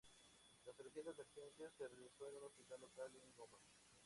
La cirugía de emergencia se realizó en un hospital local en Goma.